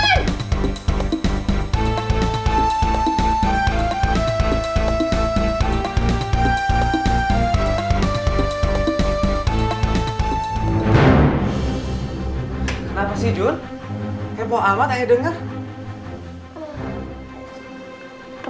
kenapa sih jun kepo amat aja denger